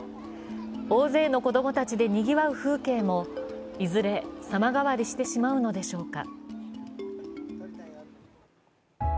大勢の子供たちでにぎわう風景もいずれ様変わりしてしまうのでしょうか。